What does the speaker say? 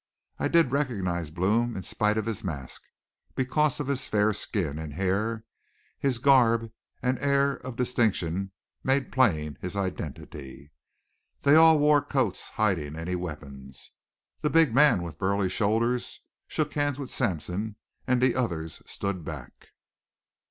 I did recognize Blome in spite of his mask, because his fair skin and hair, his garb and air of distinction made plain his identity. They all wore coats, hiding any weapons. The big man with burly shoulders shook hands with Sampson and the others stood back.